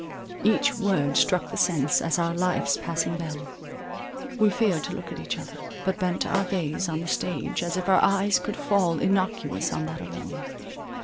Each word struck the sense, as our life's passing bell; we feared to look at each other, but bent our gaze on the stage, as if our eyes could fall innocuous on that alone.